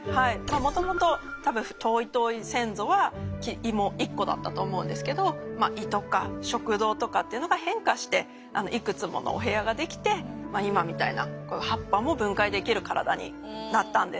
もともとたぶん遠い遠い先祖は胃も一個だったと思うんですけど胃とか食道とかっていうのが変化していくつものお部屋が出来て今みたいな葉っぱも分解できる体になったんです。